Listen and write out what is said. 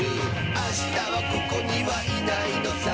「あしたはここにはいないのさ」